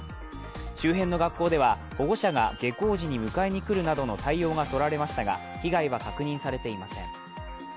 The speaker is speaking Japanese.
周辺の学校では、保護者が下校時に迎えに来るなどの対応がとられましたが被害は確認されていません。